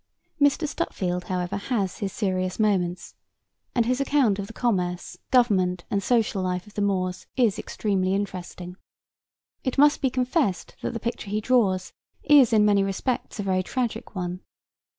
Mr. Stutfield, however, has his serious moments, and his account of the commerce, government and social life of the Moors is extremely interesting. It must be confessed that the picture he draws is in many respects a very tragic one.